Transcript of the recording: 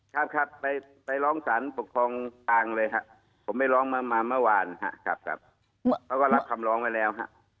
ครับครับไปร้องสารปกครองกลางเลยครับผมไปร้องมาเมื่อวานครับครับเขาก็รับคำร้องไว้แล้วฮะ